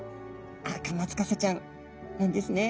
アカマツカサちゃんなんですね。